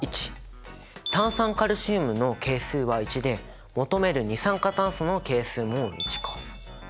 炭酸カルシウムの係数は１で求める二酸化炭素の係数も１か。